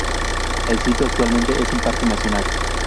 El sitio actualmente es un parque nacional.